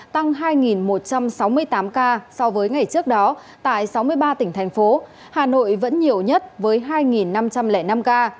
tăng hai một trăm sáu mươi tám ca so với ngày trước đó tại sáu mươi ba tỉnh thành phố hà nội vẫn nhiều nhất với hai năm trăm linh năm ca